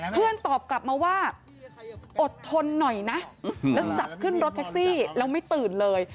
ตอบกลับมาว่าอดทนหน่อยนะแล้วจับขึ้นรถแท็กซี่แล้วไม่ตื่นเลย